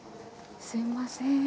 すみません。